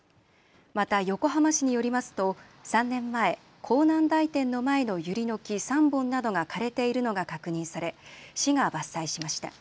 また横浜市によりますと３年前、港南台店の前のユリノキ３本などが枯れているのが確認され市が伐採しました。